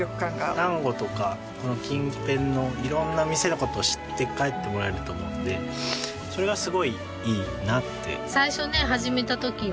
丹後とかこの近辺の色んな店の事知って帰ってもらえると思うのでそれがすごいいいなって。